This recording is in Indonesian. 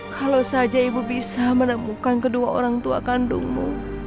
kalau saja ibu bisa menemukan kedua orang tua kandungmu